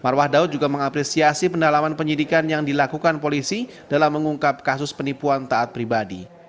marwah daud juga mengapresiasi pendalaman penyidikan yang dilakukan polisi dalam mengungkap kasus penipuan taat pribadi